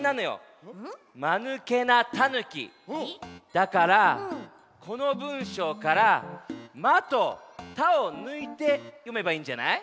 だからこのぶんしょうから「ま」と「た」をぬいてよめばいいんじゃない？